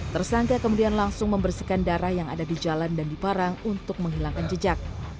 tersangka kemudian langsung membersihkan darah yang ada di jalan dan di parang untuk menghilangkan jejak